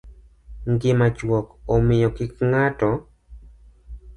Ngima chuok, omiyo kik ng'ato